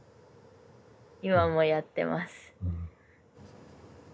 今もやってます。